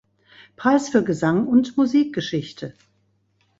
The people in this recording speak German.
Preis für Gesang und Musikgeschichte.